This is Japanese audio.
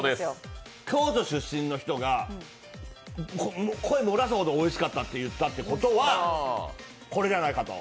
京都出身の人が、声漏らすほどおいしかったって言ったってことはこれじゃないかと。